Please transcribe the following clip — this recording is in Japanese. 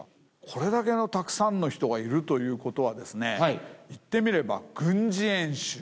これだけのたくさんの人がいるということはですね言ってみれば。